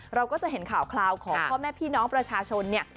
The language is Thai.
เราก็จะเห็นข่าวคราวของพ่อแม่พี่น้องประชาชนเนี่ย